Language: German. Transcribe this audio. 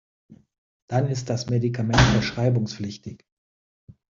Dann ist das Medikament verschreibungspflichtig.